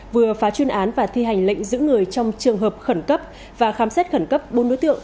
vừa phá chuyên án và thi hành lệnh giữ người trong trường hợp khẩn cấp và khám xét khẩn cấp bốn đối tượng